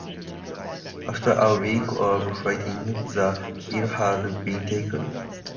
After a week of fighting, the hill had been taken.